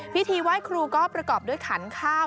พิธีไหว้ครูก็ประกอบด้วยขันข้าว